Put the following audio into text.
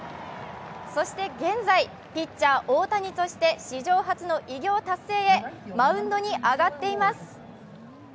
そして現在、ピッチャー・大谷として史上初の偉業達成へマウンドに上がっています。